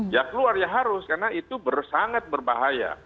ya keluar ya harus karena itu sangat berbahaya